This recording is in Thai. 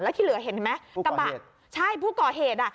แล้วที่เหลือเห็นไหมผู้ก่อเหตุใช่ผู้ก่อเหตุอ่ะ